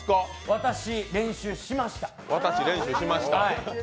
私、練習しました。